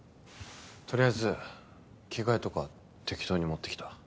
とりあえず着替えとか適当に持って来た。